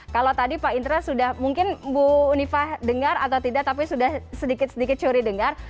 kalau tadi pak indra sudah mungkin bu unifah dengar atau tidak tapi sudah sedikit sedikit curi dengar